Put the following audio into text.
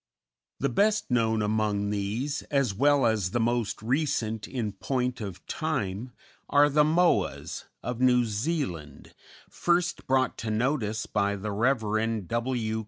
The best known among these, as well as the most recent in point of time, are the Moas of New Zealand, first brought to notice by the Rev. W.